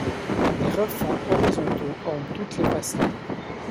Les refends horizontaux ornent toutes les façades.